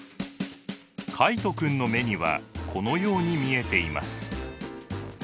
カイト君の目にはこのように見えています。